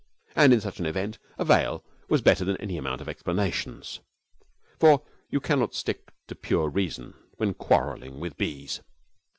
And in such an event a veil was better than any amount of explanations, for you cannot stick to pure reason when quarrelling with bees.